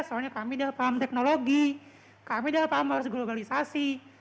soalnya kami paham teknologi kami udah paham harus globalisasi